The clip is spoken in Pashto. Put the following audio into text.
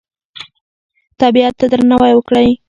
طبیعت ته درناوی وکړئ